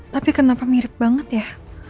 tapi kenapa mirip banget ya